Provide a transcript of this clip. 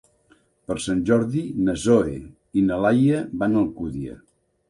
Per Sant Jordi na Zoè i na Laia van a Alcúdia.